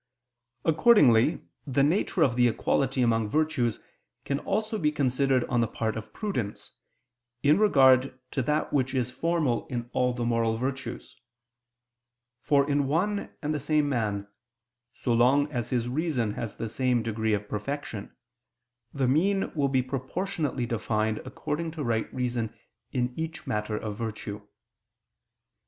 Accordingly the nature of the equality among virtues can also be considered on the part of prudence, in regard to that which is formal in all the moral virtues: for in one and the same man, so long as his reason has the same degree of perfection, the mean will be proportionately defined according to right reason in each matter of virtue.